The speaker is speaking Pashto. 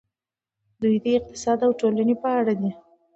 دوی د اقتصاد او ټولنې په اړه دي.